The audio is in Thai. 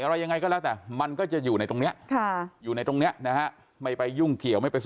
อะไรยังไงก็แล้วแต่มันก็จะอยู่ในตรงนี้ไม่ไปยุ่งเกี่ยว